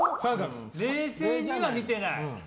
冷静には見てない。